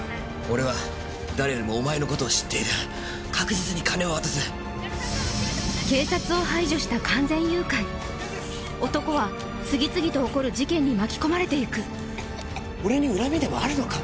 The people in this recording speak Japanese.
俺は誰よりもお前のことを知っている確実に金は渡す男は次々と起こる事件に巻き込まれていく俺に恨みでもあるのか？